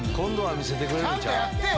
見せてくれるんちゃう？